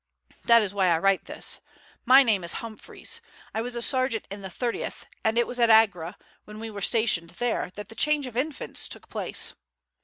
"That is why I write this. My name is Humphreys. I was a sergeant in the 30th, and it was at Agra, when we were stationed there, that the change of infants took place.